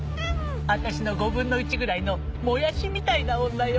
私の５分の１ぐらいのもやしみたいな女よ。